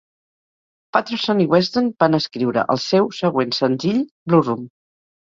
Paterson i Weston van escriure el seu següent senzill, "Blue Room".